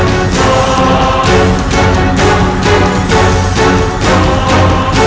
timas tetap jantung gusti ratu